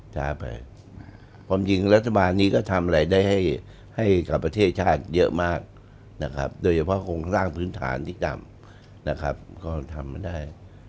ช้าไปความจริงรัฐบาลนี้ก็ทำอะไรได้ให้กับประเทศชาติเยอะมากนะครับโดยเฉพาะโครงสร้างพื้นฐานที่ต่ำนะครับก็ทำได้